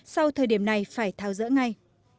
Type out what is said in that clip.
sau thời điểm này phải tháo rỡ ngay